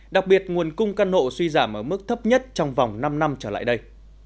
đặc biệt nguồn cung căn hộ suy giảm ở mức thấp nhất trong vòng năm năm trở lại đây